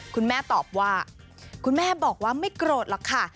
คุณแม่ตอบว่าคุณแม่บอกว่าไม่โกรธหรอกค่ะ